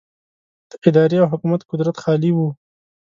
د ادارې او حکومت قدرت خالي و.